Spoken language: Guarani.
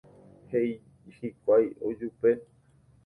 He'íje hikuái ojupe.